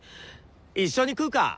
一緒に食うか？